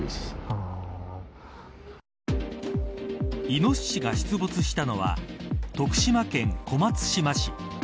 イノシシが出没したのは徳島県小松島市。